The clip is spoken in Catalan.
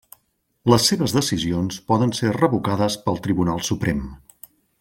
Les seves decisions poden ser revocades pel Tribunal Suprem.